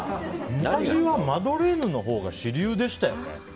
昔はマドレーヌのほうが主流でしたよね。